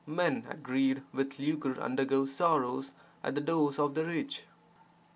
men aggrieved with lucre undergo sorrows at the doors of the rich.